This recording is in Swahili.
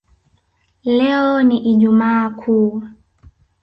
Leo ni ijumaa kuu